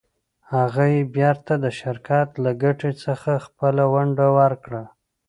هغه یې بېرته د شرکت له ګټې څخه خپله ونډه ورکړه.